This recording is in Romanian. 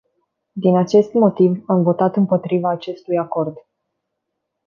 Din acest motiv, am votat împotriva acestui acord.